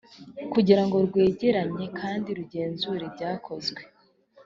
kugira ngo rwegeranye kandi rugenzure ibyakozwe